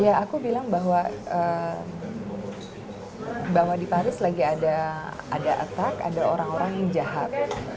ya aku bilang bahwa di paris lagi ada atak ada orang orang yang jahat